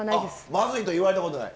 まずいと言われたことない。